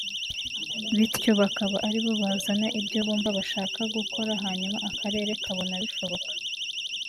bityo bakaba ari bo bazana ibyo bumva bashaka gukora hanyuma akarere kabona bishoboka